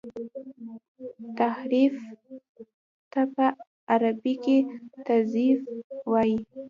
تحريف ته په عربي کي تزييف وايي.